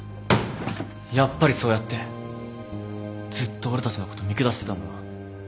やっぱりそうやってずっと俺たちのこと見下してたんだな。